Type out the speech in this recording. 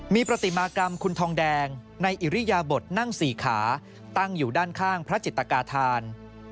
มีปฏิมากรรมคุณทองแดงในอิริยบทนั่งสี่ขาตั้งอยู่ด้านข้างพระจิตกาธาน